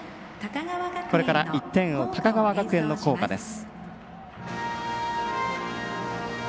これから１点を追う高川学園の校歌です。